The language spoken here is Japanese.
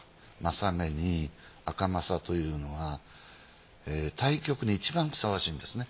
柾目に赤柾というのは対局に一番ふさわしいんですね。